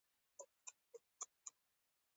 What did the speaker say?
نږدې و لیونی اتڼ وکړم.